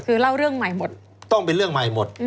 คือเล่าเรื่องใหม่หมดต้องเป็นเรื่องใหม่หมด